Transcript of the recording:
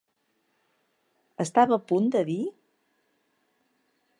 Estava a punt de dir?